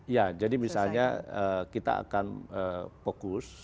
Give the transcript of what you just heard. ya jadi misalnya kita akan fokus